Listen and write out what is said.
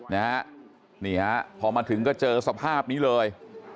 นี่ฮะพอมาถึงก็เจอสภาพนี้เลย